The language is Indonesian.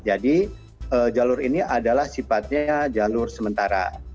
jadi jalur ini adalah sifatnya jalur sementara